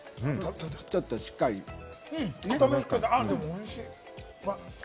ちょっとしでもおいしい！